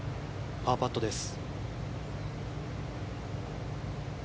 パーパットです。